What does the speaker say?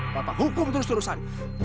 bapak hukum terus terusan